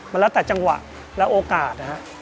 มันละตัดจังหวะและโอกาส